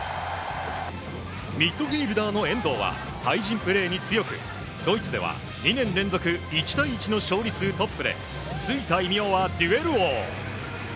ミッドフィールダーの遠藤は対人プレーに強くドイツでは２年連続１対１の勝利数トップでついた異名はデュエル王。